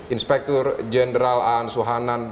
inspektur jenderal an suhanan